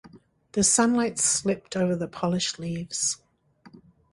The sunlight slipped over the polished leaves.